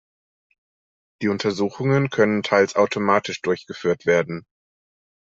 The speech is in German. Die Untersuchungen können teils automatisch durchgeführt werden.